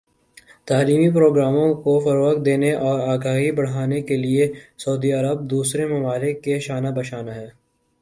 تعلیمی پروگراموں کو فروغ دینے اور آگاہی بڑھانے کے لئے سعودی عرب دوسرے ممالک کے شانہ بشانہ ہے